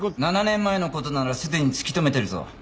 ７年前の事ならすでに突き止めてるぞ。